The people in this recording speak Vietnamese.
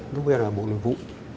lúc bây giờ là bộ nội vụ